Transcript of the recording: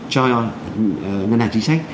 cho ngân hàng chính trách